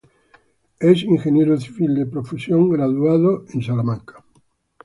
Es ingeniero civil de profesión, graduado en Estados Unidos.